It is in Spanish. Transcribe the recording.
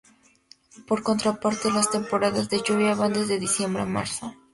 Por contraparte, las temporadas de lluvia van desde diciembre a marzo.